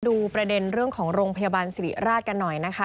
ดูประเด็นเรื่องของโรงพยาบาลสิริราชกันหน่อยนะคะ